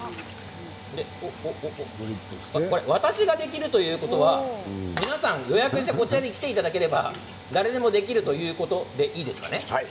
私ができるということは皆さん予約してこちらに来ていただければ誰でもできるということですね。